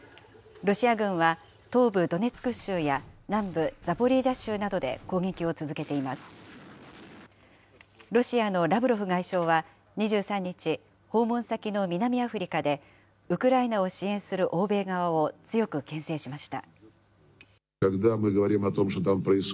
ロシアのラブロフ外相は２３日、訪問先の南アフリカで、ウクライナを支援する欧米側を強くけん制しました。